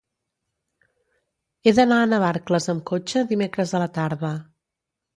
He d'anar a Navarcles amb cotxe dimecres a la tarda.